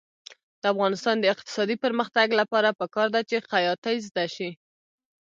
د افغانستان د اقتصادي پرمختګ لپاره پکار ده چې خیاطۍ زده شي.